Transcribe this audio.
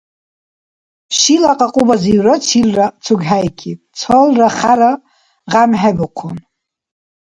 Шила кьакьурбазивра чилра цугхӀейкиб, цалра хяра гъямхӀебухъун.